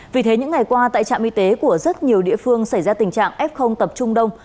vì thế những ngày qua tại trạm y tế của rất nhiều địa phương xảy ra tình trạng f tập trung đông